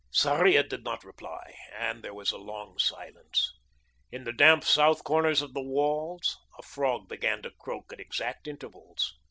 Sarria did not reply, and there was a long silence. In the damp south corners of the walls a frog began to croak at exact intervals.